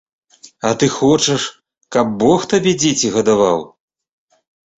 А ты хочаш, каб бог табе дзеці гадаваў?